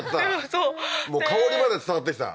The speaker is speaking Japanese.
そうもう香りまで伝わってきた？